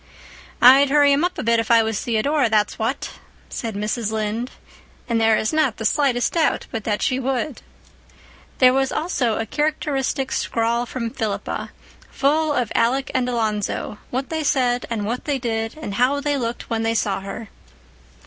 "I'd hurry him up a bit, if I was Theodora, that's what," said Mrs. Lynde. And there is not the slightest doubt but that she would. There was also a characteristic scrawl from Philippa, full of Alec and Alonzo, what they said and what they did, and how they looked when they saw her.